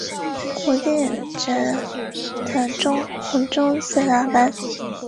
此曲最特别之处为演奏者从头至尾都不需要演奏出一个音。